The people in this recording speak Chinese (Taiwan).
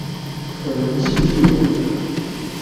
可能性是有的